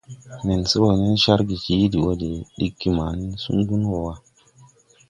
Men se bɔ nen cargè jiili wɔ de diggi ma nen sungu wɔ wa.